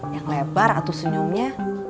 yang lebar atuh senyumnya